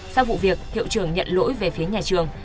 sau vụ việc hiệu trường nhận lỗi về phía nhà trường